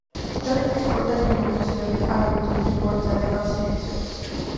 ბევრი ფიზიკური და ქიმიური თვისებებით არალითონი ბორი ძალიან გავს სილიციუმს.